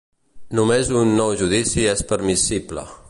Només un nou judici és permissible.